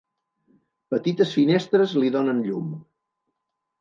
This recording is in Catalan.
Petites finestres li donen llum.